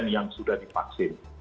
yang sudah dipaksin